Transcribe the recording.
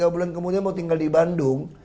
tiga bulan kemudian mau tinggal di bandung